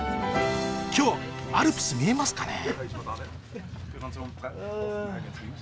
今日アルプス見えますかね？